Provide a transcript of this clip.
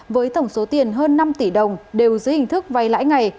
với tổng số tiền hơn năm tỷ đồng đều dưới hình thức vay lãi ngày